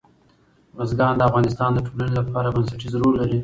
بزګان د افغانستان د ټولنې لپاره بنسټیز رول لري.